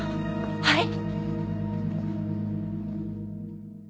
はい？